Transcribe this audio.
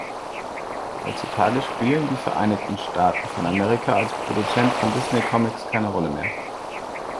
Heutzutage spielen die Vereinigten Staaten von Amerika als Produzent von Disney-Comics keine Rolle mehr.